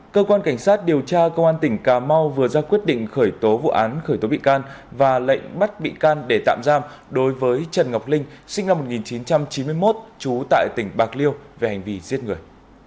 cơ quan cảnh sát điều tra công an tỉnh cà mau vừa ra quyết định khởi tố vụ án khởi tố bị can và lệnh bắt bị can để tạm giam đối với trần ngọc linh sinh năm một nghìn chín trăm chín mươi một trú tại tỉnh bạc liêu về hành vi giết người